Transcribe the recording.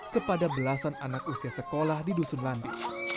kepada belasan anak usia sekolah di dusun lambi